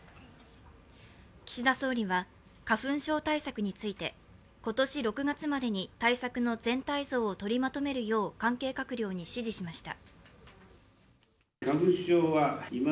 岸田総理は花粉症対策について今年６月までに対策の全体像を取りまとめるよう関係閣僚に指示しました。